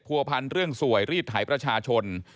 ผัวพันธุ์เรื่องสวยรีดถ่ายประชาชน